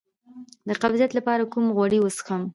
د قبضیت لپاره کوم غوړي وڅښم؟